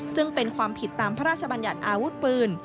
ซึ่งเป็นความผิดตามพระราชบัญญัติอาวุธปืน